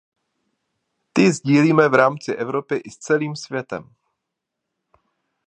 Ty sdílíme v rámci Evropy i s celým světem.